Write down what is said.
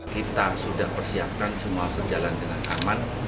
kita sudah persiapkan semua berjalan dengan aman